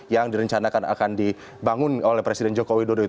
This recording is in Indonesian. yang direncanakan akan dibangun oleh presiden joko widodo